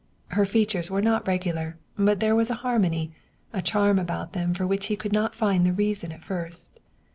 Her features were not regular, but there was a harmony, a charm about them for which he could not find the reason at first.